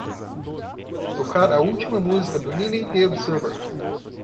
tocar a última música do Niney The Observer